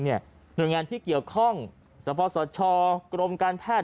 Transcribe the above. โดยงานที่เกี่ยวข้องเฉพาะสะชอกรมการแพทย์